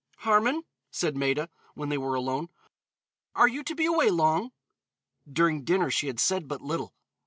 "Harmon," said Maida, when they were alone, "are you to be away long?" During dinner she had said but little.